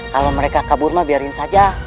kalau mereka kabur biarkan saja